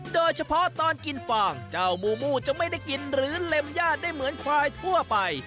โดยเฉพาะตอนกินฟางเจ้ามูมูจะไม่ได้กินหรือเล็มญาติได้เหมือนควายทั่วไป